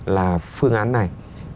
là phương án này